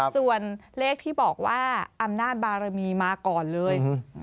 ส่วนเลขที่บอกว่าอำนาจบารมีมาก่อนเลย